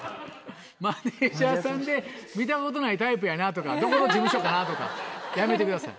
マネジャーさんで見たことないタイプやなとかどこの事務所かなとかやめてください。